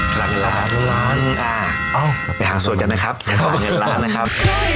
ไปหางสวดกันนะครับ